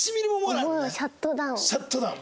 シャットダウン。